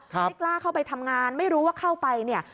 ไม่กล้าเข้าไปทำงานไม่รู้ว่าเข้าไปเนี่ย